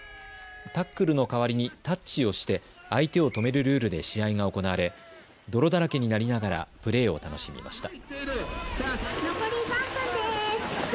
タックルの代わりにタッチをして相手を止めるルールで試合が行われ泥だらけになりながらプレーを楽しみました。